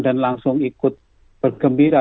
dan langsung ikut bergembira